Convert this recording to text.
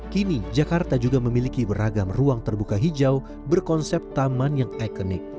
kini jakarta juga memiliki beragam ruang terbuka hijau berkonsep taman yang ikonik